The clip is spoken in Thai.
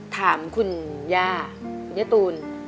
ถามคุณย่าคุณย่าตูน